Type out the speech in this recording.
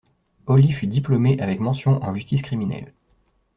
Holly fut diplômée avec mention en justice criminelle.